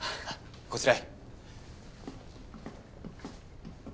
こちらへ。